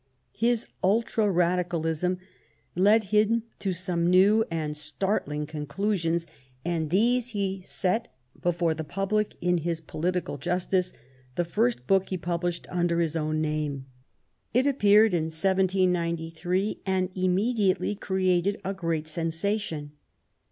His ultra radicalism led him to some new and start WILLIAM GODWIN. 173 ling conclusions, and these he set before the public in his Political Justice, the first book he published under his own name. It appeared in 1793, and immediately •created a great sensation.